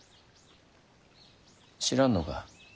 知らぬのか。